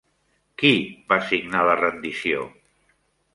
Qui va signar la rendició?